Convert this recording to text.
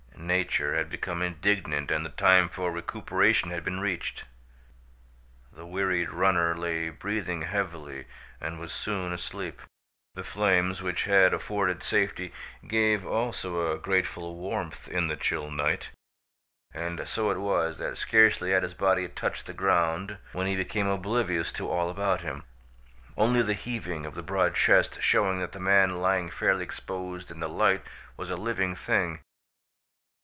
Nature had become indignant and the time for recuperation had been reached. The wearied runner lay breathing heavily and was soon asleep. The flames which had afforded safety gave also a grateful warmth in the chill night, and so it was that scarcely had his body touched the ground when he became oblivious to all about him, only the heaving of the broad chest showing that the man lying fairly exposed in the light was a living thing.